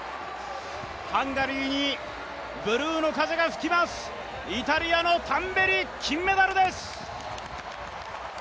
ハンガリーにブルーの風が吹きます、イタリアのタンベリ、金メダルです！